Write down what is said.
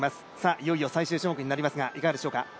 いよいよ最終種目になりますがいかがでしょうか。